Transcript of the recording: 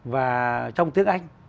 và trong tiếng anh